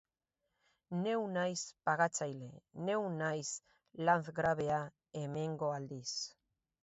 Neu naiz pagatzaile, neu naiz Landgravea hemengo aldiz.